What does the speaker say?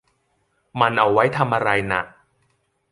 มันเอาไว้ทำอะไรน่ะ